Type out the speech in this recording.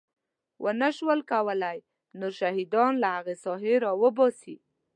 ونه شول کولی نور شهیدان له هغې ساحې راوباسي.